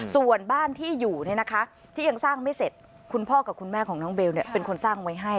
ส่วนบ้านที่อยู่ที่ยังสร้างไม่เสร็จคุณพ่อกับคุณแม่ของน้องเบลเป็นคนสร้างไว้ให้